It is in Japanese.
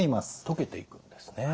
溶けていくんですね。